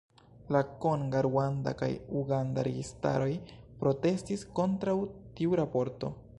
La konga, ruanda kaj uganda registaroj protestis kontraŭ tiu raporto.